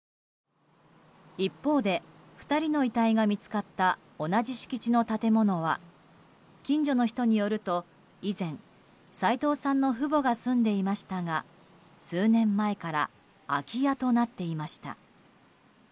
一方で、２人の遺体が見つかった同じ敷地の建物は近所の人によると以前、齋藤さんの父母が住んでいましたが、数年前から空き家となっていました。